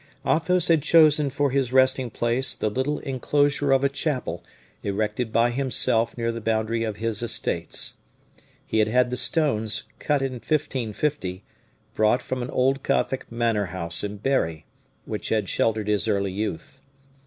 Athos had chosen for his resting place the little inclosure of a chapel erected by himself near the boundary of his estates. He had had the stones, cut in 1550, brought from an old Gothic manor house in Berry, which had sheltered his early youth.